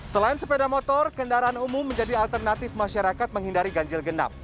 selain sepeda motor kendaraan umum menjadi alternatif masyarakat menghindari ganjil genap